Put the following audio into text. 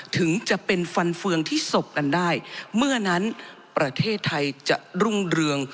ถึงจะเป็นฟันเฟืองที่ศพกันได้เมื่อนั้นประเทศไทยจะรุ่งเรือง